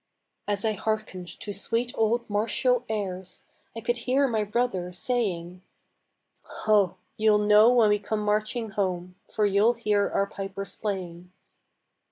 As I hearkened to sweet old martial airs I could hear my brother saying: "Ho! you'll know when we come marching home, For you'll hear our pipers playing."